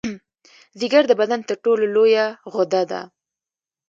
ځیګر د بدن تر ټولو لویه غده ده